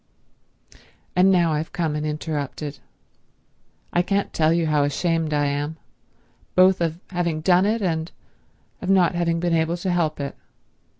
"And now I've come and interrupted. I can't tell you how ashamed I am—both of having done it and of not having been able to help it."